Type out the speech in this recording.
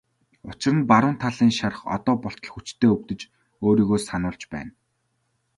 Учир нь баруун талын шарх одоо болтол хүчтэй өвдөж өөрийгөө сануулж байна.